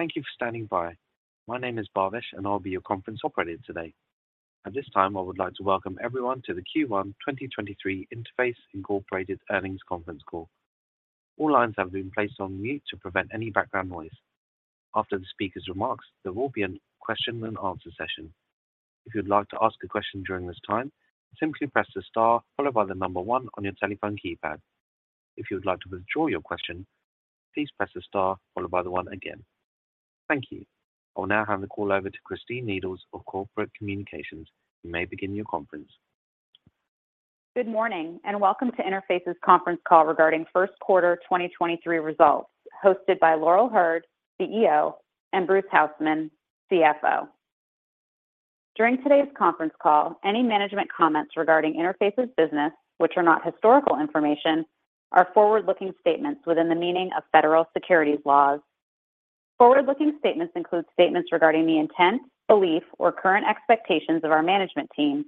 Thank you for standing by. My name is Bhavesh. I'll be your conference operator today. At this time, I would like to welcome everyone to the Q1 2023 Interface Incorporated Earnings Conference Call. All lines have been placed on mute to prevent any background noise. After the speaker's remarks, there will be a question and answer session. If you'd like to ask a question during this time, simply press the star followed by one on your telephone keypad. If you would like to withdraw your question, please press the star followed by one again. Thank you. I will now hand the call over to Christine Needles of Corporate Communications. You may begin your conference. Good morning, welcome to Interface's conference call regarding first quarter 2023 results, hosted by Laurel Hurd, CEO, and Bruce Hausmann, CFO. During today's conference call, any management comments regarding Interface's business, which are not historical information, are forward-looking statements within the meaning of federal securities laws. Forward-looking statements include statements regarding the intent, belief, or current expectations of our management team,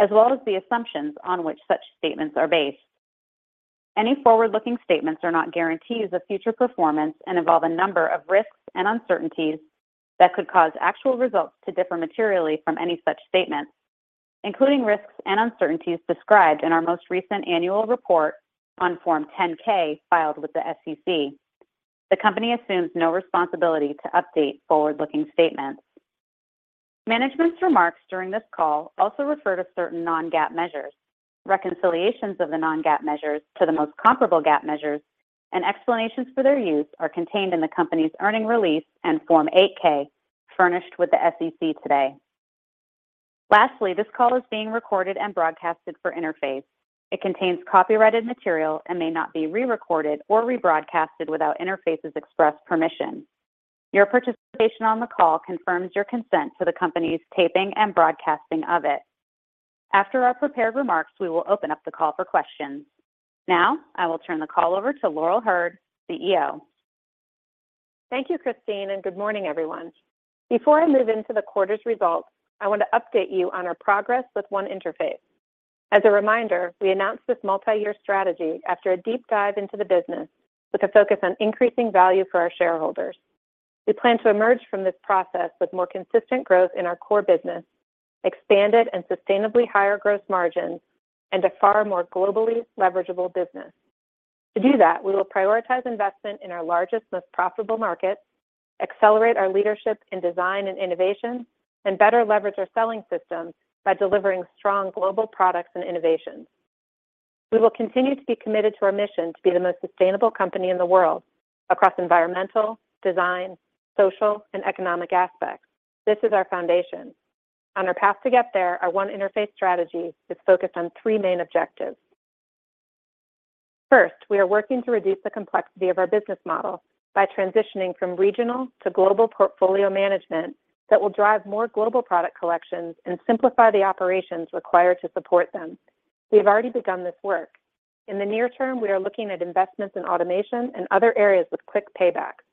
as well as the assumptions on which such statements are based. Any forward-looking statements are not guarantees of future performance and involve a number of risks and uncertainties that could cause actual results to differ materially from any such statements, including risks and uncertainties described in our most recent annual report on Form 10-K filed with the SEC. The company assumes no responsibility to update forward-looking statements. Management's remarks during this call also refer to certain non-GAAP measures. Reconciliations of the non-GAAP measures to the most comparable GAAP measures and explanations for their use are contained in the company's earnings release and Form 8-K furnished with the SEC today. Lastly, this call is being recorded and broadcasted for Interface. It contains copyrighted material and may not be re-recorded or rebroadcasted without Interface's express permission. Your participation on the call confirms your consent to the company's taping and broadcasting of it. After our prepared remarks, we will open up the call for questions. Now, I will turn the call over to Laurel Hurd, CEO. Thank you, Christine, and good morning, everyone. Before I move into the quarter's results, I want to update you on our progress with One Interface. As a reminder, we announced this multi-year strategy after a deep dive into the business with a focus on increasing value for our shareholders. We plan to emerge from this process with more consistent growth in our core business, expanded and sustainably higher gross margins, and a far more globally leverageable business. To do that, we will prioritize investment in our largest, most profitable markets, accelerate our leadership in design and innovation, and better leverage our selling system by delivering strong global products and innovations. We will continue to be committed to our mission to be the most sustainable company in the world across environmental, design, social, and economic aspects. This is our foundation. On our path to get there, our One Interface strategy is focused on 3 main objectives. First, we are working to reduce the complexity of our business model by transitioning from regional to global portfolio management that will drive more global product collections and simplify the operations required to support them. We have already begun this work. In the near term, we are looking at investments in automation and other areas with quick paybacks.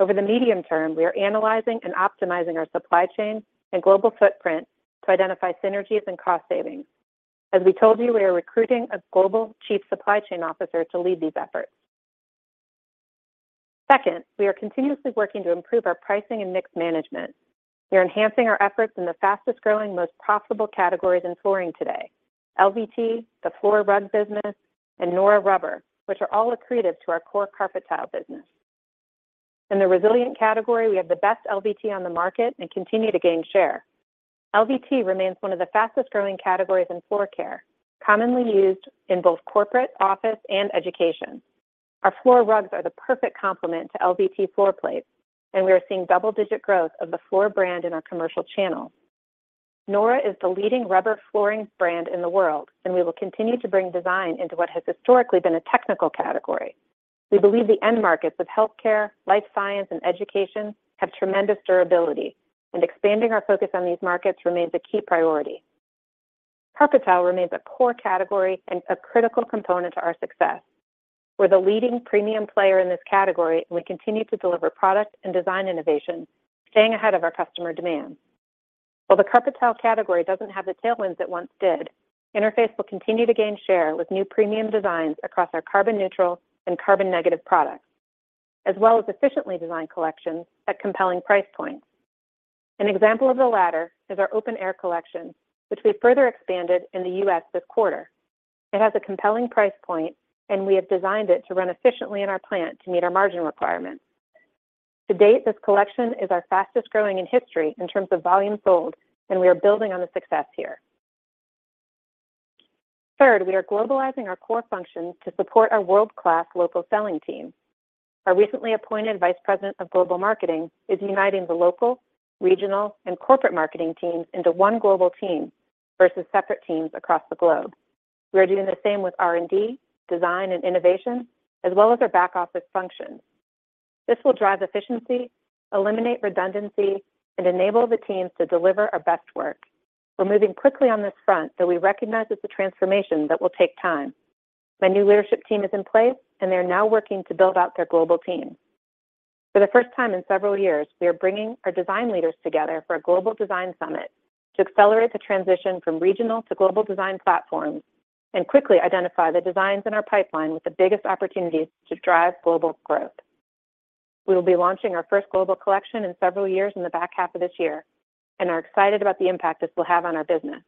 Over the medium term, we are analyzing and optimizing our supply chain and global footprint to identify synergies and cost savings. As we told you, we are recruiting a global chief supply chain officer to lead these efforts. Second, we are continuously working to improve our pricing and mix management. We are enhancing our efforts in the fastest-growing, most profitable categories in flooring today. LVT, the FLOR rug business, and Nora rubber, which are all accretive to our core carpet tile business. In the resilient category, we have the best LVT on the market and continue to gain share. LVT remains one of the fastest-growing categories in floor care, commonly used in both corporate, office, and education. Our FLOR rugs are the perfect complement to LVT floor plates, and we are seeing double-digit growth of the FLOR brand in our commercial channels. Nora is the leading rubber flooring brand in the world, and we will continue to bring design into what has historically been a technical category. We believe the end markets of healthcare, life science, and education have tremendous durability, and expanding our focus on these markets remains a key priority. Carpet tile remains a core category and a critical component to our success. We're the leading premium player in this category, and we continue to deliver product and design innovation, staying ahead of our customer demand. While the carpet tile category doesn't have the tailwinds it once did, Interface will continue to gain share with new premium designs across our carbon neutral and carbon negative products, as well as efficiently designed collections at compelling price points. An example of the latter is our Open Air collection, which we further expanded in the U.S. this quarter. It has a compelling price point, and we have designed it to run efficiently in our plant to meet our margin requirements. To date, this collection is our fastest-growing in history in terms of volume sold, and we are building on the success here. Third, we are globalizing our core functions to support our world-class local selling team. Our recently appointed vice president of global marketing is uniting the local, regional, and corporate marketing teams into one global team versus separate teams across the globe. We are doing the same with R&D, design, and innovation, as well as our back-office functions. This will drive efficiency, eliminate redundancy, and enable the teams to deliver our best work. We're moving quickly on this front, though we recognize it's a transformation that will take time. My new leadership team is in place, and they are now working to build out their global team. For the first time in several years, we are bringing our design leaders together for a global design summit to accelerate the transition from regional to global design platforms. Quickly identify the designs in our pipeline with the biggest opportunities to drive global growth. We will be launching our first global collection in several years in the back half of this year and are excited about the impact this will have on our business.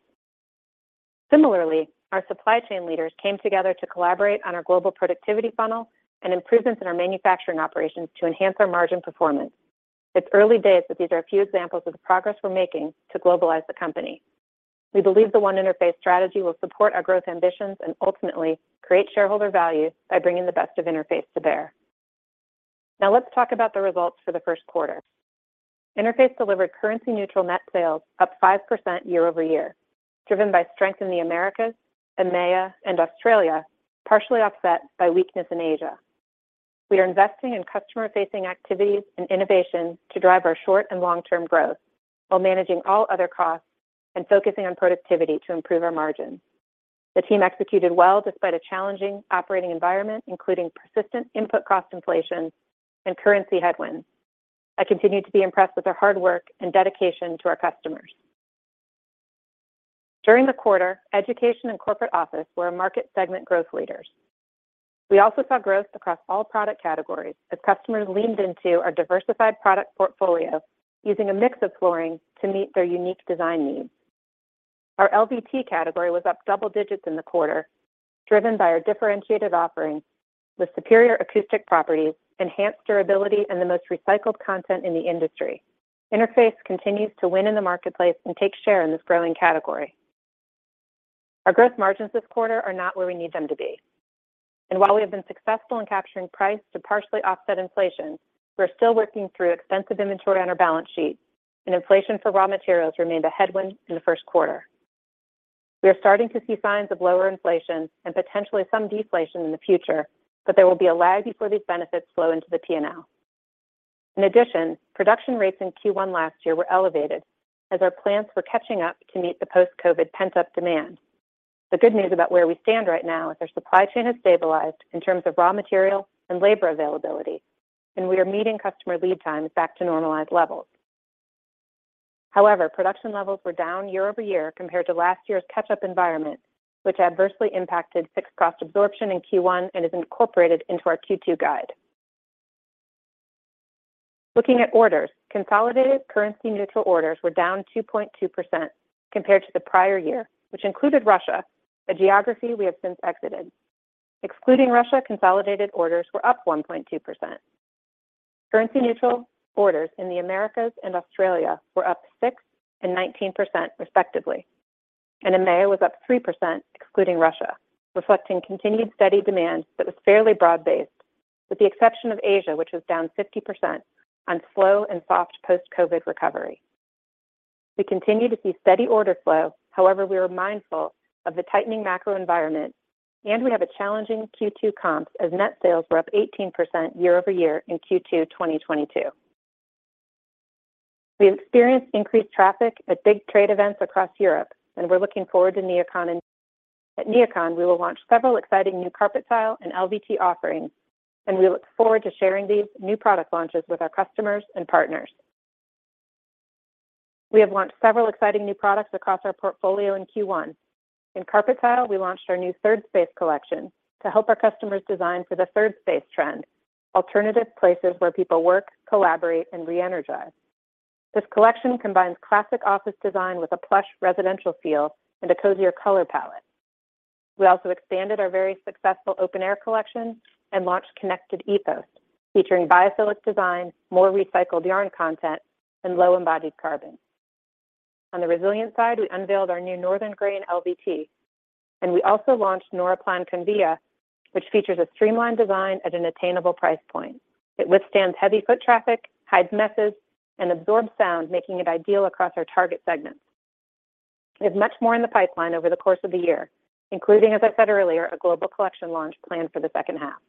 Similarly, our supply chain leaders came together to collaborate on our global productivity funnel and improvements in our manufacturing operations to enhance our margin performance. It's early days, but these are a few examples of the progress we're making to globalize the company. We believe the One Interface strategy will support our growth ambitions and ultimately create shareholder value by bringing the best of Interface to bear. Let's talk about the results for the first quarter. Interface delivered currency-neutral net sales up 5% year-over-year, driven by strength in the Americas, EMEA, and Australia, partially offset by weakness in Asia. We are investing in customer-facing activities and innovation to drive our short and long-term growth while managing all other costs and focusing on productivity to improve our margins. The team executed well despite a challenging operating environment, including persistent input cost inflation and currency headwinds. I continue to be impressed with their hard work and dedication to our customers. During the quarter, education and corporate office were our market segment growth leaders. We also saw growth across all product categories as customers leaned into our diversified product portfolio using a mix of flooring to meet their unique design needs. Our LVT category was up double digits in the quarter, driven by our differentiated offerings with superior acoustic properties, enhanced durability, and the most recycled content in the industry. Interface continues to win in the marketplace and take share in this growing category. Our growth margins this quarter are not where we need them to be. While we have been successful in capturing price to partially offset inflation, we're still working through extensive inventory on our balance sheet, and inflation for raw materials remained a headwind in the first quarter. We are starting to see signs of lower inflation and potentially some deflation in the future, but there will be a lag before these benefits flow into the P&L. Production rates in Q1 last year were elevated as our plants were catching up to meet the post-COVID pent-up demand. The good news about where we stand right now is our supply chain has stabilized in terms of raw material and labor availability, and we are meeting customer lead times back to normalized levels. However, production levels were down year-over-year compared to last year's catch-up environment, which adversely impacted fixed cost absorption in Q1 and is incorporated into our Q2 guide. Looking at orders, consolidated currency-neutral orders were down 2.2% compared to the prior year, which included Russia, a geography we have since exited. Excluding Russia, consolidated orders were up 1.2%. Currency-neutral orders in the Americas and Australia were up 6% and 19% respectively, and EMEA was up 3%, excluding Russia, reflecting continued steady demand that was fairly broad-based, with the exception of Asia, which was down 50% on slow and soft post-COVID recovery. We continue to see steady order flow. However, we are mindful of the tightening macro environment, and we have a challenging Q2 comps as net sales were up 18% year-over-year in Q2 2022. We experienced increased traffic at big trade events across Europe, we're looking forward to NeoCon. At NeoCon, we will launch several exciting new carpet tile and LVT offerings, and we look forward to sharing these new product launches with our customers and partners. We have launched several exciting new products across our portfolio in Q1. In carpet tile, we launched our new Third Space Collection to help our customers design for the third space trend, alternative places where people work, collaborate, and re-energize. This collection combines classic office design with a plush residential feel and a cozier color palette. We also expanded our very successful Open Air collection and launched Connected Ethos, featuring biophilic design, more recycled yarn content, and low embodied carbon. On the resilient side, we unveiled our new Northern Grain LVT, and we also launched Noraplan convia, which features a streamlined design at an attainable price point. It withstands heavy foot traffic, hides messes, and absorbs sound, making it ideal across our target segments. We have much more in the pipeline over the course of the year, including, as I said earlier, a global collection launch planned for the second half.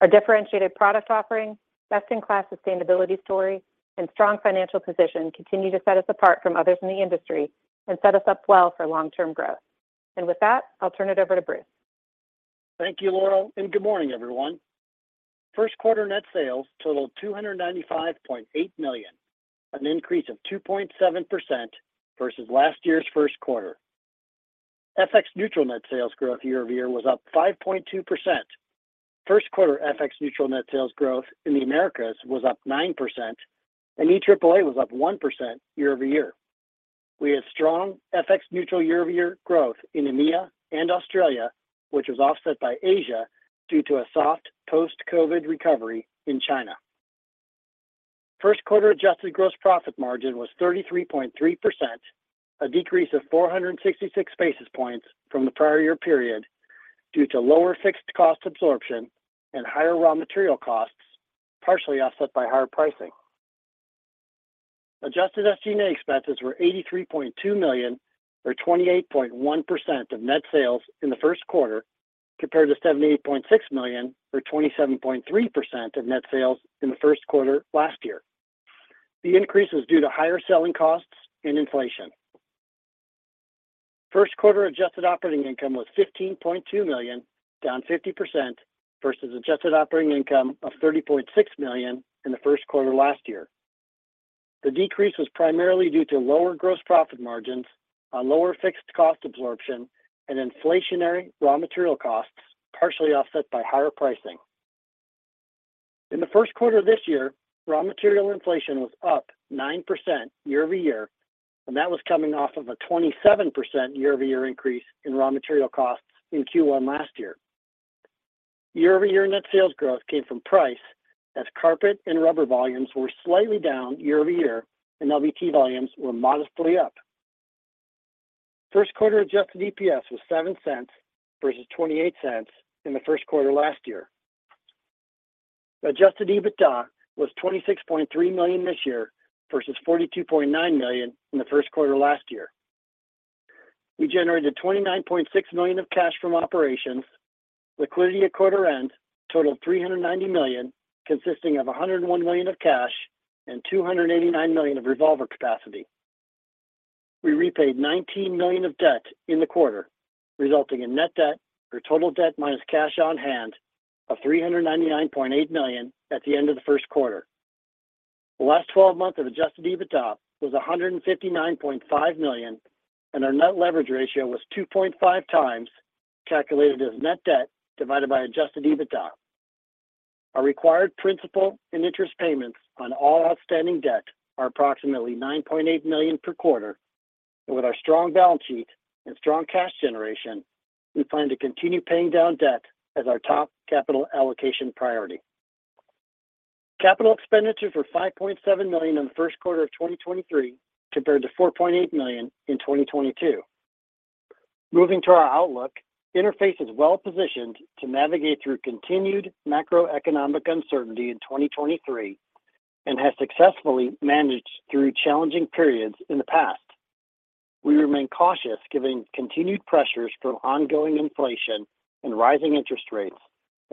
Our differentiated product offering, best-in-class sustainability story, and strong financial position continue to set us apart from others in the industry and set us up well for long-term growth. With that, I'll turn it over to Bruce. Thank you, Laurel, and good morning, everyone. First quarter net sales totaled $295.8 million, an increase of 2.7% versus last year's first quarter. FX neutral net sales growth year-over-year was up 5.2%. First quarter FX neutral net sales growth in the Americas was up 9%, and EAAA was up 1% year-over-year. We had strong FX neutral year-over-year growth in EMEA and Australia, which was offset by Asia due to a soft post-COVID recovery in China. First quarter adjusted gross profit margin was 33.3%, a decrease of 466 basis points from the prior year period due to lower fixed cost absorption and higher raw material costs, partially offset by higher pricing. Adjusted SG&A expenses were $83.2 million or 28.1% of net sales in the first quarter, compared to $78.6 million or 27.3% of net sales in the first quarter last year. The increase was due to higher selling costs and inflation. First quarter adjusted operating income was $15.2 million, down 50% versus adjusted operating income of $30.6 million in the first quarter last year. The decrease was primarily due to lower gross profit margins on lower fixed cost absorption and inflationary raw material costs, partially offset by higher pricing. In the first quarter this year, raw material inflation was up 9% year-over-year. That was coming off of a 27% year-over-year increase in raw material costs in Q1 last year. Year-over-year net sales growth came from price, as carpet and rubber volumes were slightly down year-over-year, and LVT volumes were modestly up. First quarter adjusted EPS was $0.07 versus $0.28 in the first quarter last year. Adjusted EBITDA was $26.3 million this year versus $42.9 million in the first quarter last year. We generated $29.6 million of cash from operations. Liquidity at quarter end totaled $390 million, consisting of $101 million of cash and $289 million of revolver capacity. We repaid $19 million of debt in the quarter, resulting in net debt or total debt minus cash on hand of $399.8 million at the end of the first quarter. The last 12 month of adjusted EBITDA was $159.5 million, and our net leverage ratio was 2.5 times, calculated as net debt divided by adjusted EBITDA. Our required principal and interest payments on all outstanding debt are approximately $9.8 million per quarter, and with our strong balance sheet and strong cash generation, we plan to continue paying down debt as our top capital allocation priority. Capital expenditures were $5.7 million in the first quarter of 2023, compared to $4.8 million in 2022. Moving to our outlook, Interface is well positioned to navigate through continued macroeconomic uncertainty in 2023 and has successfully managed through challenging periods in the past. We remain cautious giving continued pressures from ongoing inflation and rising interest rates.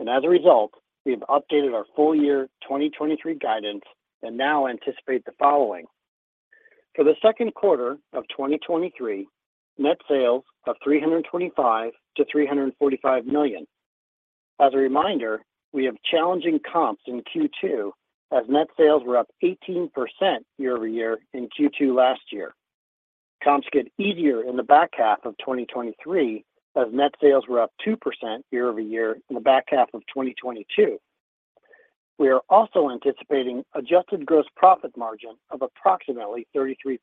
As a result, we have updated our full year 2023 guidance and now anticipate the following. For the second quarter of 2023, net sales of $325 million-$345 million. As a reminder, we have challenging comps in Q2 as net sales were up 18% year-over-year in Q2 last year. Comps get easier in the back half of 2023 as net sales were up 2% year-over-year in the back half of 2022. We are also anticipating adjusted gross profit margin of approximately 33%.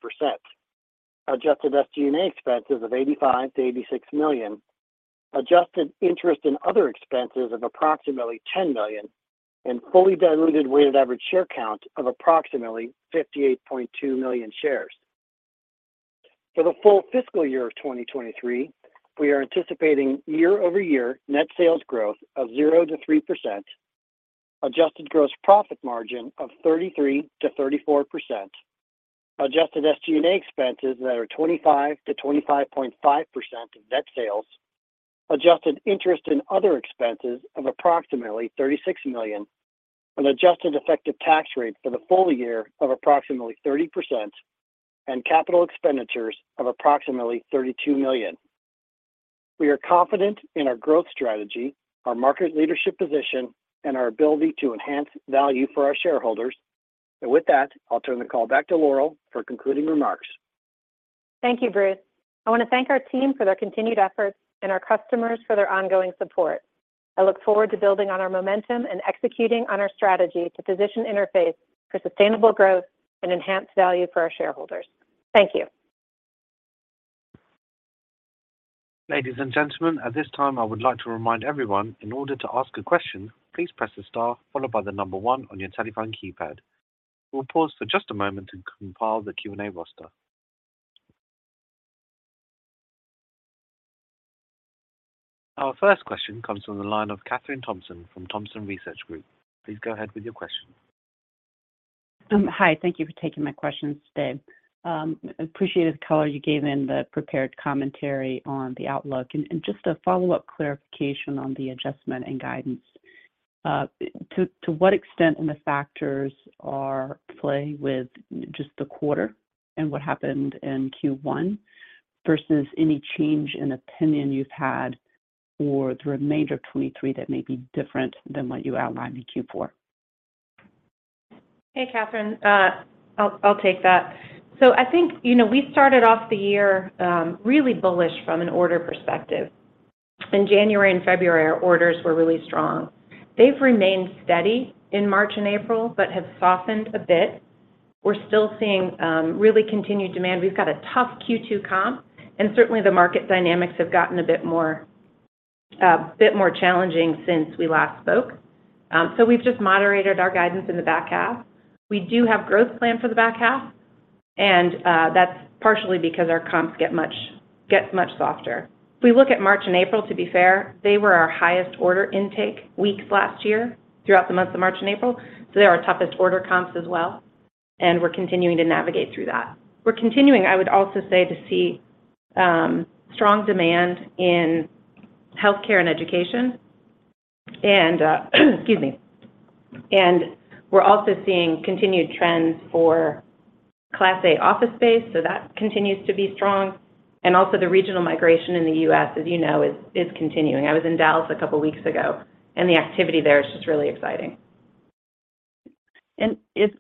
Adjusted SG&A expenses of $85 million-$86 million. Adjusted interest and other expenses of approximately $10 million. Fully diluted weighted average share count of approximately $58.2 million shares. For the full fiscal year of 2023, we are anticipating year-over-year net sales growth of 0%-3%. Adjusted gross profit margin of 33%-34%. Adjusted SG&A expenses that are 25%-25.5% of net sales. Adjusted interest and other expenses of approximately $36 million. An adjusted effective tax rate for the full year of approximately 30%. Capital expenditures of approximately $32 million. We are confident in our growth strategy, our market leadership position, and our ability to enhance value for our shareholders. With that, I'll turn the call back to Laurel for concluding remarks. Thank you, Bruce. I want to thank our team for their continued efforts and our customers for their ongoing support. I look forward to building on our momentum and executing on our strategy to position Interface for sustainable growth and enhanced value for our shareholders. Thank you. Ladies and gentlemen, at this time, I would like to remind everyone in order to ask a question, please press the star followed by one on your telephone keypad. We'll pause for just a moment to compile the Q&A roster. Our first question comes from the line of Kathryn Thompson from Thompson Research Group. Please go ahead with your question. Hi, thank you for taking my questions today. I appreciated the color you gave in the prepared commentary on the outlook. Just a follow-up clarification on the adjustment and guidance. To what extent in the factors are play with just the quarter and what happened in Q1 versus any change in opinion you've had for the remainder of 2023 that may be different than what you outlined in Q4? Hey, Kathryn. I'll take that. I think, you know, we started off the year, really bullish from an order perspective. In January and February, our orders were really strong. They've remained steady in March and April, but have softened a bit. We're still seeing, really continued demand. We've got a tough Q2 comp, and certainly the market dynamics have gotten a bit more, bit more challenging since we last spoke. We've just moderated our guidance in the back half. We do have growth planned for the back half, and that's partially because our comps get much, gets much softer. If we look at March and April, to be fair, they were our highest order intake weeks last year throughout the months of March and April. They're our toughest order comps as well, and we're continuing to navigate through that. We're continuing, I would also say, to see, strong demand in healthcare and education. Excuse me. We're also seeing continued trends for Class A office space, so that continues to be strong. Also, the regional migration in the U.S., as you know, is continuing. I was in Dallas a couple weeks ago, and the activity there is just really exciting. If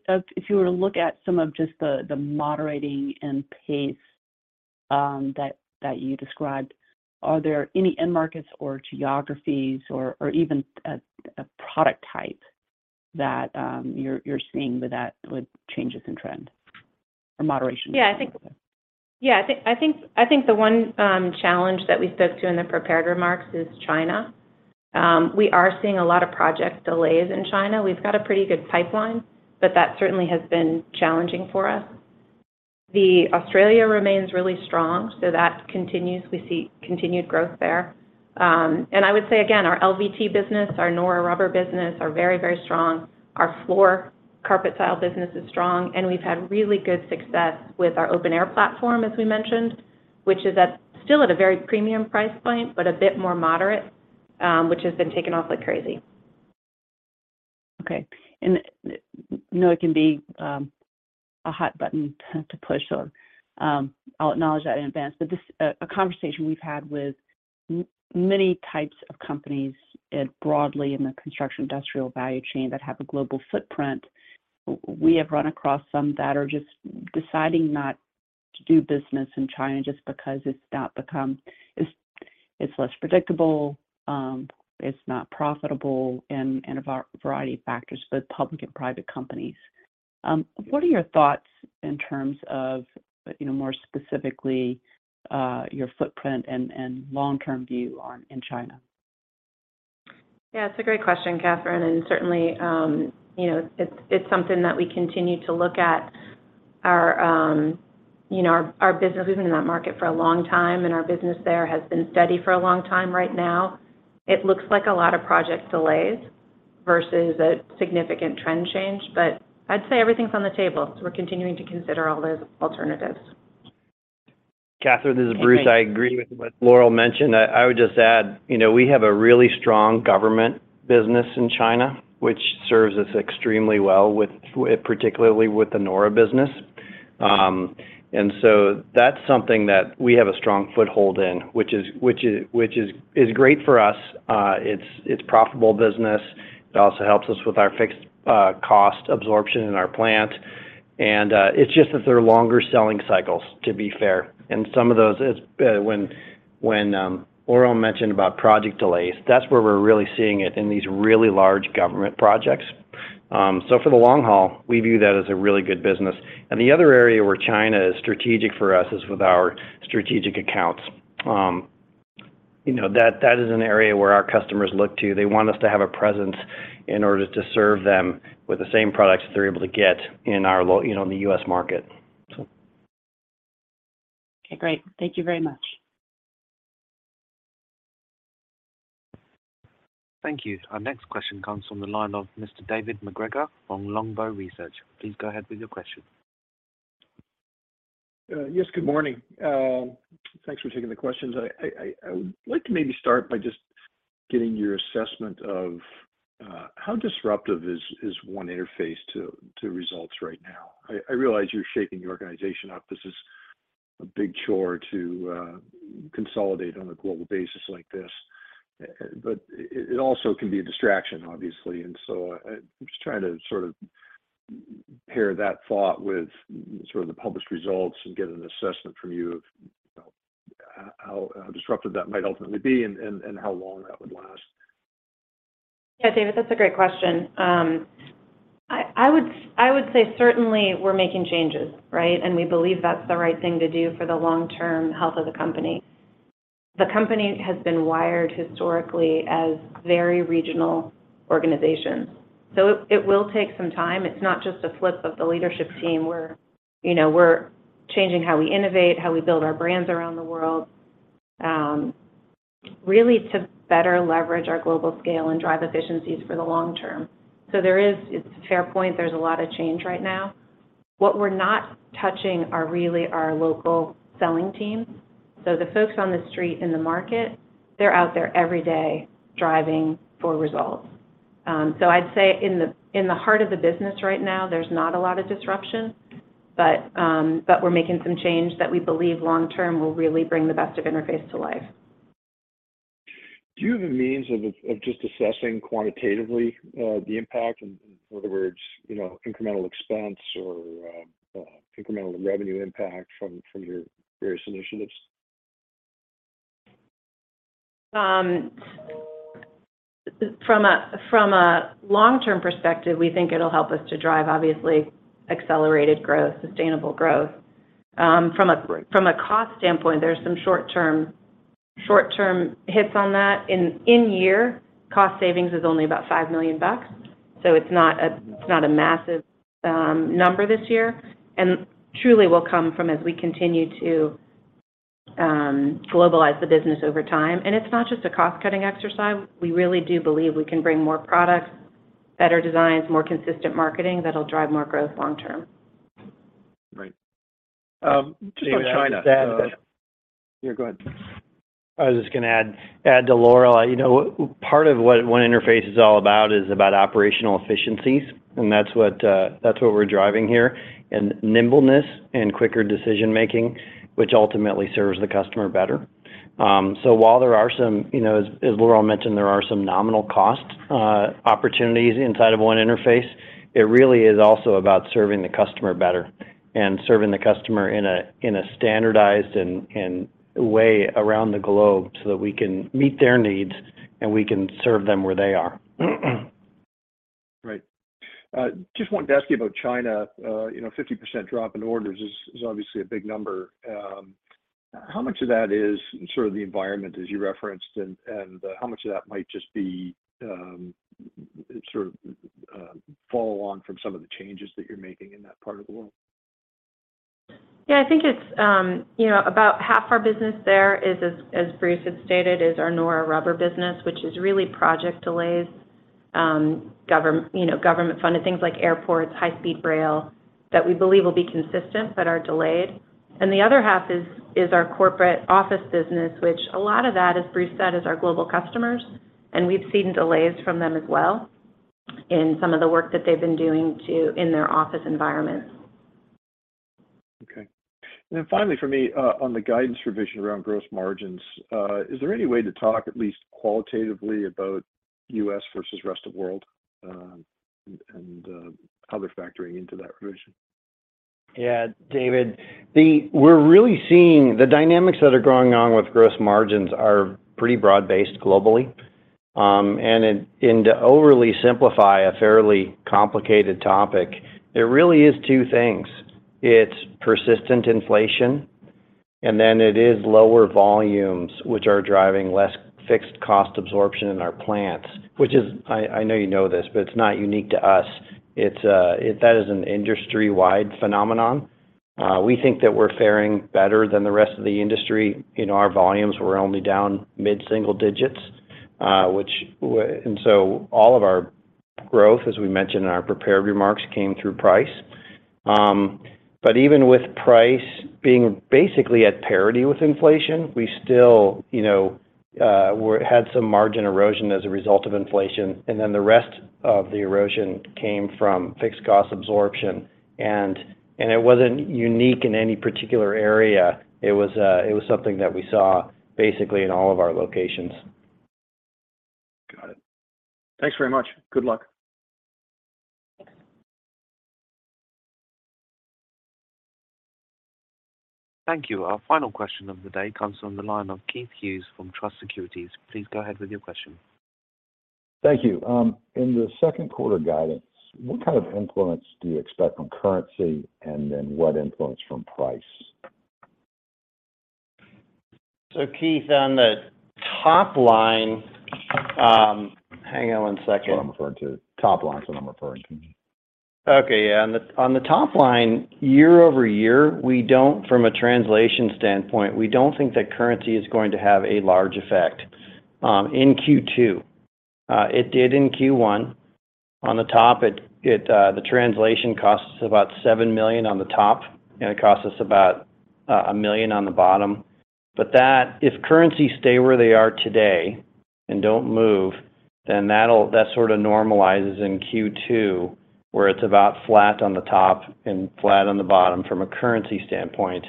you were to look at some of just the moderating and pace that you described, are there any end markets or geographies or even a product type that you're seeing with that, with changes in trend or moderation? I think the one challenge that we spoke to in the prepared remarks is China. We are seeing a lot of project delays in China. We've got a pretty good pipeline, but that certainly has been challenging for us. The Australia remains really strong, so that continues. We see continued growth there. I would say again, our LVT business, our Nora rubber business are very, very strong. Our FLOR carpet tile business is strong, and we've had really good success with our Open Air platform, as we mentioned, which is still at a very premium price point, but a bit more moderate, which has been taking off like crazy. Okay. You know, it can be a hot button to push, or I'll acknowledge that in advance. Just a conversation we've had with many types of companies, broadly in the construction industrial value chain that have a global footprint, we have run across some that are just deciding not to do business in China just because it's not become... It's less predictable, it's not profitable and a variety of factors with public and private companies. What are your thoughts in terms of, you know, more specifically, your footprint and long-term view on, in China? Yeah, it's a great question, Katherine. Certainly, you know, it's something that we continue to look at our, you know, our business. We've been in that market for a long time, and our business there has been steady for a long time right now. It looks like a lot of project delays versus a significant trend change, but I'd say everything's on the table. We're continuing to consider all those alternatives. Katherine, this is Bruce. Hey, Bruce. I agree with what Laurel mentioned. I would just add, you know, we have a really strong government business in China, which serves us extremely well with particularly with the Nora business. That's something that we have a strong foothold in, which is great for us. It's profitable business. It also helps us with our fixed cost absorption in our plant. It's just that they're longer selling cycles, to be fair. Some of those is when Laurel mentioned about project delays, that's where we're really seeing it, in these really large government projects. For the long haul, we view that as a really good business. The other area where China is strategic for us is with our strategic accounts. You know, that is an area where our customers look to. They want us to have a presence in order to serve them with the same products that they're able to get in our you know, in the U.S. market, so. Okay, great. Thank you very much. Thank you. Our next question comes from the line of Mr. David MacGregor from Longbow Research. Please go ahead with your question. Yes, good morning. Thanks for taking the questions. I would like to maybe start by just getting your assessment of how disruptive is One Interface to results right now? I realize you're shaping the organization up. This is a big chore to consolidate on a global basis like this. It also can be a distraction, obviously. I'm just trying to sort of pair that thought with sort of the published results and get an assessment from you of, you know, how disruptive that might ultimately be and how long that would last. Yeah, David, that's a great question. I would say certainly we're making changes, right? We believe that's the right thing to do for the long-term health of the company. The company has been wired historically as very regional organizations. It will take some time. It's not just a flip of the leadership team. We're changing how we innovate, how we build our brands around the world, really to better leverage our global scale and drive efficiencies for the long term. It's a fair point. There's a lot of change right now. What we're not touching are really our local selling teams. The folks on the street in the market, they're out there every day driving for results. I'd say in the, in the heart of the business right now, there's not a lot of disruption, but we're making some change that we believe long term will really bring the best of Interface to life. Do you have a means of just assessing quantitatively, the impact, in other words, you know, incremental expense or incremental revenue impact from your various initiatives? From a long-term perspective, we think it'll help us to drive, obviously, accelerated growth, sustainable growth. Right... from a cost standpoint, there's some short-term hits on that. In year, cost savings is only about $5 million, so it's not a, it's not a massive number this year, and truly will come from as we continue to globalize the business over time. It's not just a cost-cutting exercise. We really do believe we can bring more products, better designs, more consistent marketing that'll drive more growth long term. Right. just on China- To add to that Yeah, go ahead. I was just gonna add to Laurel. You know, part of what Interface is all about is about operational efficiencies, and that's what we're driving here, and nimbleness and quicker decision-making, which ultimately serves the customer better. While there are some, you know, as Laurel mentioned, there are some nominal cost opportunities inside of One Interface, it really is also about serving the customer better and serving the customer in a, in a standardized and way around the globe so that we can meet their needs and we can serve them where they are. Right. just wanted to ask you about China. you know, 50% drop in orders is obviously a big number. how much of that is sort of the environment as you referenced and how much of that might just be, sort of fall on from some of the changes that you're making in that part of the world? Yeah, I think it's, you know, about half our business there as Bruce had stated, is our Nora rubber business, which is really project delays, government, you know, government-funded things like airports, high-speed rail, that we believe will be consistent but are delayed. The other half is our corporate office business, which a lot of that, as Bruce said, is our global customers, and we've seen delays from them as well in some of the work that they've been doing in their office environments. Okay. Then finally for me, on the guidance revision around gross margins, is there any way to talk at least qualitatively about U.S. versus rest of world, how they're factoring into that revision? Yeah. David, we're really seeing the dynamics that are going on with gross margins are pretty broad-based globally. To overly simplify a fairly complicated topic, there really is two things. It's persistent inflation, and then it is lower volumes which are driving less fixed cost absorption in our plants. Which is, I know you know this, but it's not unique to us. That is an industry-wide phenomenon. We think that we're faring better than the rest of the industry. You know, our volumes were only down mid-single digits, which and so all of our growth, as we mentioned in our prepared remarks, came through price. Even with price being basically at parity with inflation, we still, you know, had some margin erosion as a result of inflation, and then the rest of the erosion came from fixed cost absorption. It wasn't unique in any particular area. It was something that we saw basically in all of our locations. Got it. Thanks very much. Good luck. Thank you. Our final question of the day comes from the line of Keith Hughes from Truist Securities. Please go ahead with your question. Thank you. In the second quarter guidance, what kind of influence do you expect from currency, and then what influence from price? Keith, on the top line, Hang on one second. That's what I'm referring to. Top line is what I'm referring to. Okay. Yeah. On the, on the top line, year-over-year, we don't, from a translation standpoint, we don't think that currency is going to have a large effect in Q2. It did in Q1. On the top, the translation costs about $7 million on the top, and it cost us about $1 million on the bottom. That, if currency stay where they are today and don't move, then that sort of normalizes in Q2, where it's about flat on the top and flat on the bottom from a currency standpoint.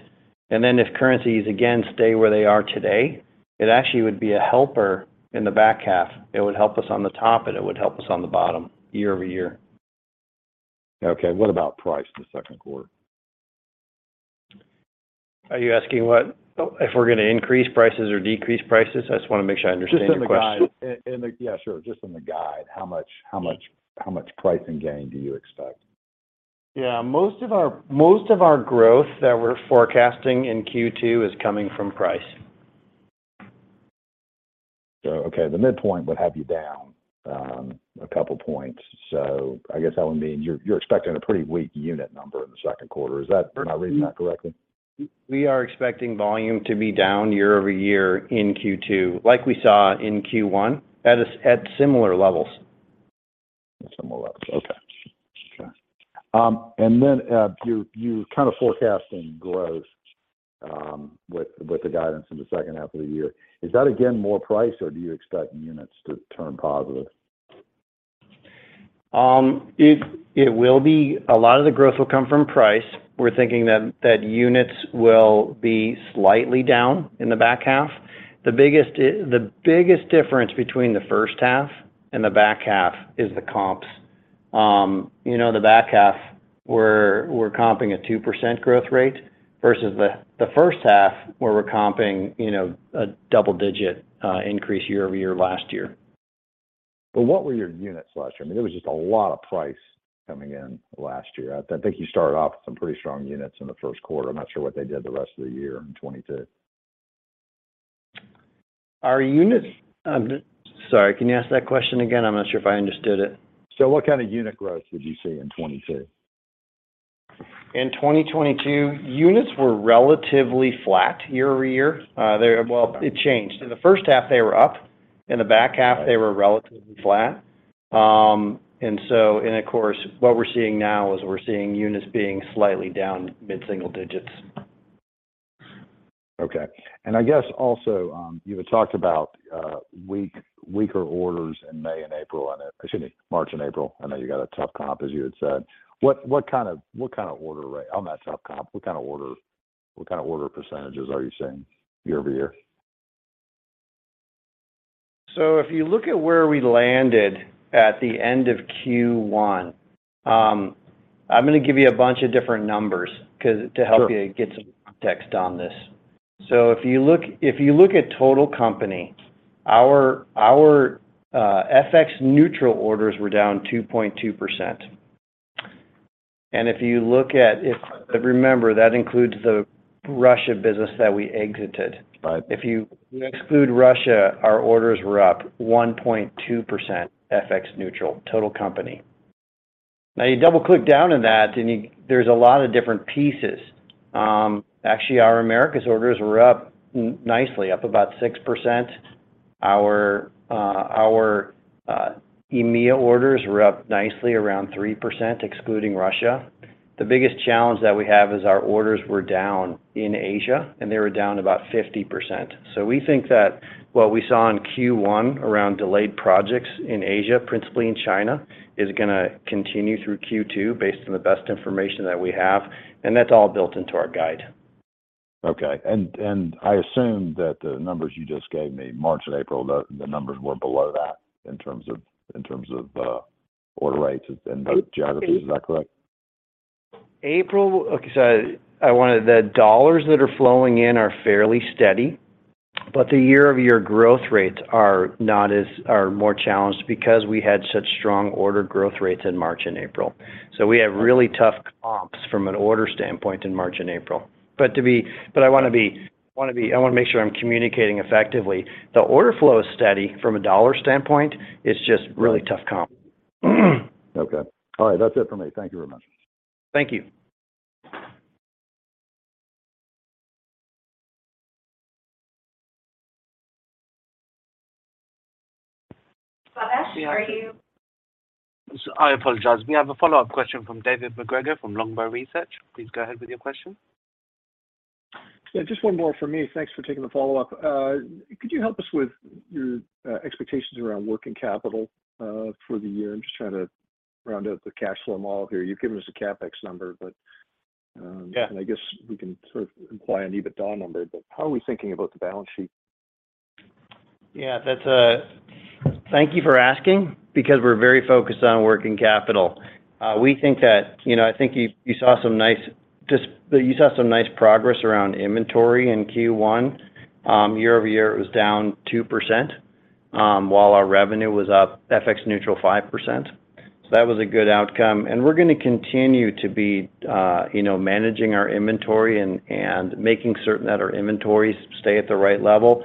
If currencies again stay where they are today, it actually would be a helper in the back half. It would help us on the top, and it would help us on the bottom year-over-year. Okay. What about price the second quarter? Are you asking if we're gonna increase prices or decrease prices? I just wanna make sure I understand the question. Just in the guide. Yeah, sure. Just in the guide, how much pricing gain do you expect? Yeah. Most of our growth that we're forecasting in Q2 is coming from price. Okay. The midpoint would have you down a couple points. I guess that would mean you're expecting a pretty weak unit number in the second quarter. Am I reading that correctly? We are expecting volume to be down year-over-year in Q2, like we saw in Q1, at similar levels. At similar levels. Okay. Okay. You're kind of forecasting growth with the guidance in the second half of the year. Is that again more price, or do you expect units to turn positive? A lot of the growth will come from price. We're thinking that units will be slightly down in the back half. The biggest difference between the first half and the back half is the comps. You know, the back half we're comping a 2% growth rate versus the first half where we're comping, you know, a double-digit increase year-over-year last year. What were your units last year? I mean, there was just a lot of price coming in last year. I think you started off with some pretty strong units in the first quarter. I'm not sure what they did the rest of the year in 2022. Sorry. Can you ask that question again? I'm not sure if I understood it. What kind of unit growth did you see in 2022? In 2022, units were relatively flat year-over-year. Well, it changed. In the first half, they were up. In the back half, they were relatively flat. Of course, what we're seeing now is we're seeing units being slightly down mid-single digits. Okay. I guess also, you had talked about weaker orders in May and April, and, excuse me, March and April. I know you got a tough comp, as you had said. What kind of order rate on that tough comp? What kind of order percentages are you seeing year-over-year? If you look at where we landed at the end of Q1, I'm gonna give you a bunch of different numbers 'cause to help you get some context on this. If you look at total company, our FX neutral orders were down 2.2%. If you look at, but remember, that includes the Russia business that we exited. Right. If you exclude Russia, our orders were up 1.2% FX neutral, total company. Now, you double-click down on that and there's a lot of different pieces. Actually, our Americas orders were up nicely, up about 6%. Our EMEA orders were up nicely around 3%, excluding Russia. The biggest challenge that we have is our orders were down in Asia, and they were down about 50%. We think that what we saw in Q1 around delayed projects in Asia, principally in China, is gonna continue through Q2 based on the best information that we have, and that's all built into our guide. Okay. I assume that the numbers you just gave me, March and April, the numbers were below that in terms of order rates and the geographies, is that correct? The dollars that are flowing in are fairly steady, the year-over-year growth rates are more challenged because we had such strong order growth rates in March and April. We have really tough comps from an order standpoint in March and April. I wanna make sure I'm communicating effectively. The order flow is steady from a dollar standpoint. It's just really tough comp. Okay. All right. That's it for me. Thank you very much. Thank you. I apologize. We have a follow-up question from David MacGregor from Longbow Research. Please go ahead with your question. Yeah, just one more for me. Thanks for taking the follow-up. Could you help us with your expectations around working capital for the year? I'm just trying to round out the cash flow model here. You've given us a CapEx number, but. Yeah I guess we can sort of imply an EBITDA number, but how are we thinking about the balance sheet? Yeah. That's Thank you for asking because we're very focused on working capital. We think that, you know, I think you saw some nice progress around inventory in Q1. Year-over-year it was down 2%, while our revenue was up FX neutral 5%. That was a good outcome. We're gonna continue to be, you know, managing our inventory and making certain that our inventories stay at the right level.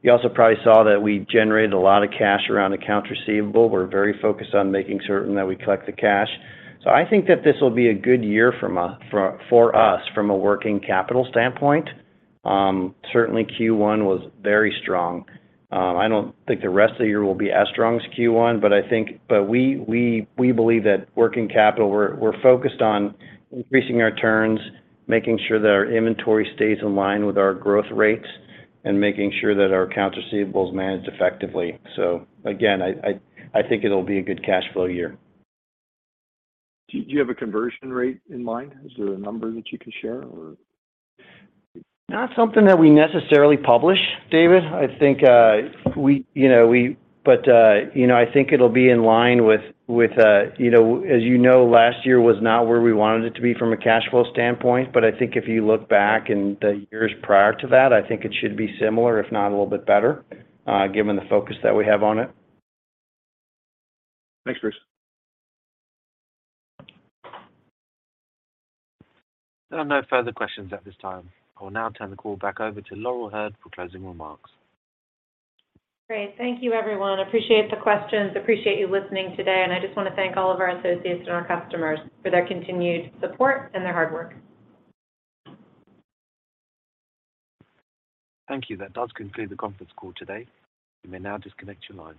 You also probably saw that we generated a lot of cash around accounts receivable. We're very focused on making certain that we collect the cash. I think that this will be a good year for us from a working capital standpoint. Certainly Q1 was very strong. I don't think the rest of the year will be as strong as Q1. We believe that working capital, we're focused on increasing our turns, making sure that our inventory stays in line with our growth rates, and making sure that our accounts receivable is managed effectively. Again, I think it'll be a good cash flow year. Do you have a conversion rate in mind? Is there a number that you can share or...? Not something that we necessarily publish, David. you know, I think it'll be in line with, you know, as you know, last year was not where we wanted it to be from a cash flow standpoint. I think if you look back in the years prior to that, I think it should be similar, if not a little bit better, given the focus that we have on it. Thanks, Bruce. There are no further questions at this time. I will now turn the call back over to Laurel Hurd for closing remarks. Great. Thank you, everyone. Appreciate the questions. Appreciate you listening today. I just wanna thank all of our associates and our customers for their continued support and their hard work. Thank you. That does conclude the conference call today. You may now disconnect your line.